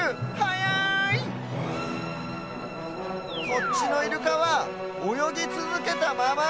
こっちのイルカはおよぎつづけたまま。